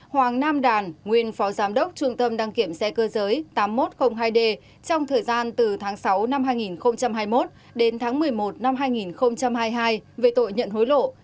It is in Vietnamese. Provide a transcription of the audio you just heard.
hoàng nam đàn nguyên phó giám đốc trung tâm đăng kiểm xe cơ giới tám nghìn một trăm linh hai d trong thời gian từ tháng sáu năm hai nghìn hai mươi một đến tháng một mươi một năm hai nghìn hai mươi hai về tội nhận hối lộ